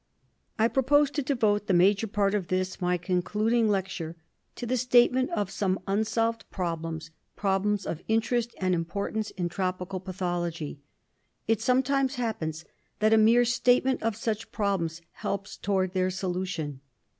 I PROPOSE to devote the major part of this, my con cluding lecture, to the statement of some unsolved prob lems, problems of interest and importance in tropical pathology. It 'sometimes happens that a mere statement of such problems helps towards their solution.